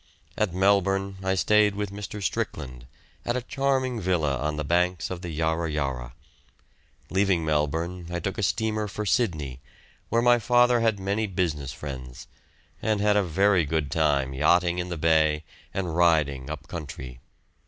At Melbourne I stayed with Mr. Strickland, at a charming villa on the banks of the Yarra Yarra. Leaving Melbourne, I took a steamer for Sydney, where my father had many business friends, and had a very good time yachting in the bay and riding up country.